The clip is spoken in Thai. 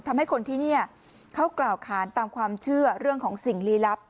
ทำให้คนที่นี่เขากล่าวค้านตามความเชื่อเรื่องของสิ่งลี้ลับ